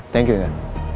thank you inga